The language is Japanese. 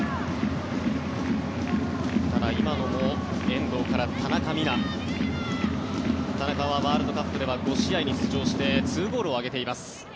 ただ、今のも遠藤から田中美南田中はワールドカップでは５試合に出場して２ゴールを挙げています。